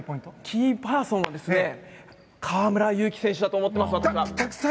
キーパーソンは河村勇輝選手だと思ってます！